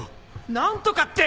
何とかって。